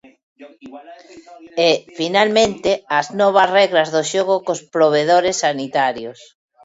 E, finalmente, as novas regras de xogo cos provedores sanitarios.